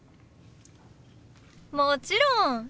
もちろん。